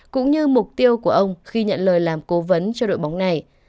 cũng như mục tiêu của ông khi nhận lời làm cố vấn cho đội bóng này